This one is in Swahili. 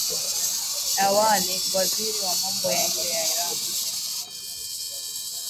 Awali waziri wa mambo ya nje wa Iraq